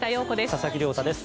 佐々木亮太です。